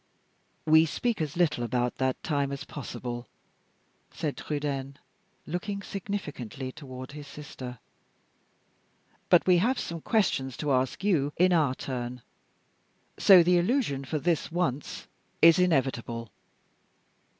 "We speak as little about that time as possible," said Trudaine, looking significantly toward his sister; "but we have some questions to ask you in our turn; so the allusion, for this once, is inevitable.